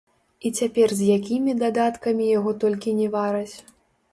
І цяпер з якімі дадаткамі яго толькі не вараць.